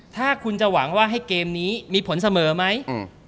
ถ้าคุณจะหวังว่าให้เกมนี้มีผลเสมอไหม